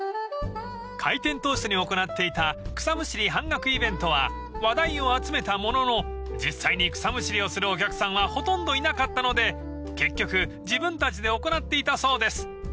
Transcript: ［開店当初に行っていた草むしり半額イベントは話題を集めたものの実際に草むしりをするお客さんはほとんどいなかったので結局自分たちで行っていたそうです］